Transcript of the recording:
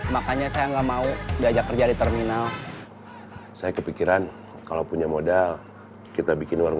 makanya saya nggak mau diajak kerja di terminal saya kepikiran kalau punya modal kita bikin warung